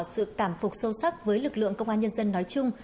sự cảm phục sâu sắc với lực lượng công an nhân dân nói chung